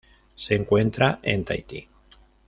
Se encuentra en Tahití.